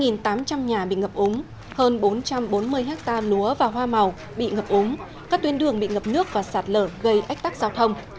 hai tám trăm linh nhà bị ngập ốm hơn bốn trăm bốn mươi ha lúa và hoa màu bị ngập ốm các tuyên đường bị ngập nước và sạt lở gây ách tắc giao thông